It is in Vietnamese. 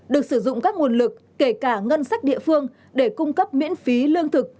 được sử dụng các nguồn lực kể cả ngân sách địa phương để cung cấp miễn phí lương thực